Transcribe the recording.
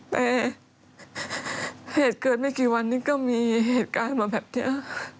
แต่เหตุเกิดไม่กี่วันนี้ก็มีเหตุการณ์มาแบบนี้